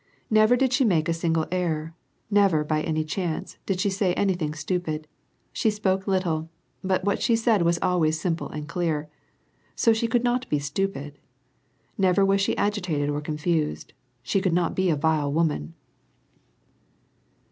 Never did she make a single error ; never, by any chance, did she say anything stupid. She spoke little, but what she said was always simple and clear. So she could not be stupid. Never was she agitated or confused. She could not be a vile woman